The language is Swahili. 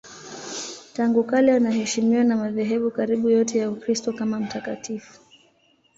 Tangu kale anaheshimiwa na madhehebu karibu yote ya Ukristo kama mtakatifu.